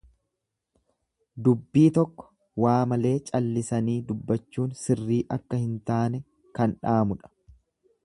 Dubbii tokko waa malee callisanii dubbachuun sirrii akka hin taane kan dhaamudha.